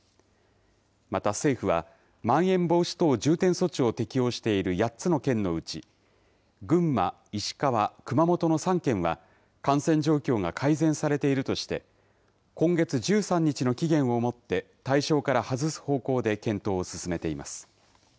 また政府は、まん延防止等重点措置を適用している８つの県のうち、群馬、石川、熊本の３県は、感染状況が改善されているとして、今月１３日の期限をもって、対象から外す方向で検討を進めています。